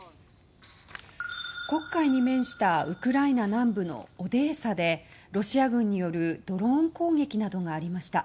黒海に面したウクライナ南部のオデーサでロシア軍によるドローン攻撃などがありました。